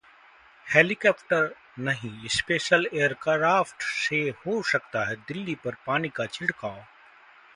helicopter नहीं, special aircraft से हो सकता है दिल्ली पर पानी का छिड़काव